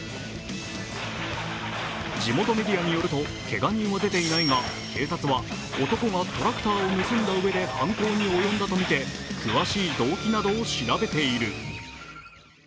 地元メディアによると、けが人は出ていないが警察は男がトラクターを盗んだ上で犯行に及んだと見て詳しい動機などを調べている。